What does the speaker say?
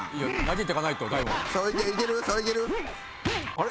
あれ？